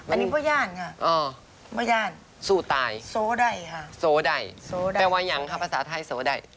อันนี้พ่อย่านค่ะพ่อย่านโสดัยค่ะโสดัยแปลวายังค่ะภาษาไทยโสดัย